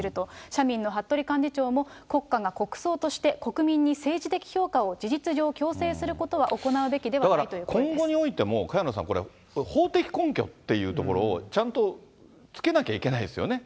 社民の服部幹事長も、国家が国葬として国民に政治的評価を事実上強制することは行うべだから今後においても、萱野さん、これ、法的根拠というところを、ちゃんとつけなきゃいけないですよね。